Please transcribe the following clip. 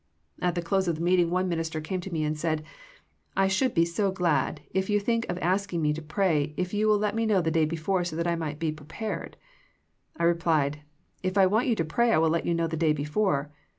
At the close of the meeting one minister came to me and said, " I should be so glad if you think of asking me to pray if you will let me know the day before so that I may be prepared." I replied, " If I want you to pray I will let you know the day before."